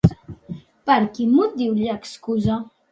Però, per quin motiu li excusa?